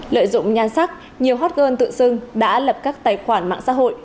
lợi dụng nhan sắc nhiều hot girl tự xưng đã lập các tài khoản mạng xã hội